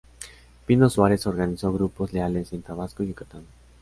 Pino Suárez organizó grupos leales en Tabasco y Yucatán.